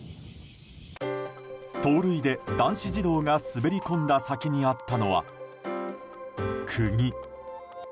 盗塁で男子児童が滑り込んだ先にあったのは釘。